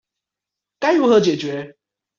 該如何解決